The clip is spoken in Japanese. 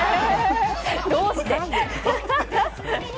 どうして？